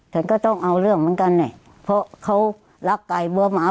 ฉันก็ต้องเอาเรื่องเหมือนกันเนี่ยเพราะเขารักไก่บัวหมา